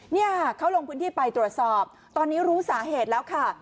เนี่ยเขาลงพื้นที่ไปตรวจสอบตอนนี้รู้สาเหตุแล้วค่ะ